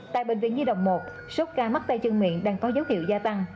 tại bệnh viện di đồng một sốt ca mắc tay chân miệng đang có dấu hiệu gia tăng